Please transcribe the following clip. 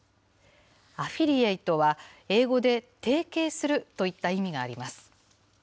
アフィリエイトは、英語で提携するといった意味があります。